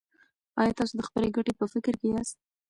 ایا تاسو د خپلې ګټې په فکر کې یاست.